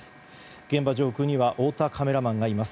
現場上空には太田カメラマンがいます。